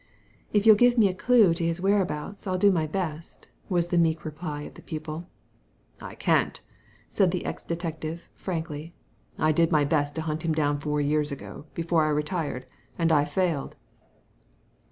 " If you'll give me a clue to his whereabouts, I'll do my best," was the meek reply of the pupiL "I can't," said the ex detective, frankly. "I did my best to hunt him down four years ago, before I retired, and I failed."